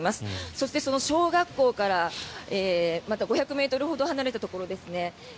そしてその小学校からまた５００ｍほど離れたところですね